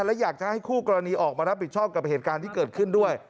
และอยากจะให้คู่กรณีออกมารับผิดชอบกับเหตุการณ์ที่เกิดขึ้นด้วย